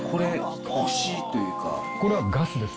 これはガスです。